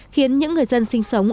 khiến những người dân sinh sống